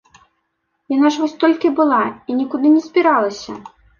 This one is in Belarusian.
Яна ж вось толькі была і нікуды не збіралася?